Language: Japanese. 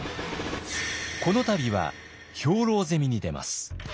この度は兵糧攻めに出ます。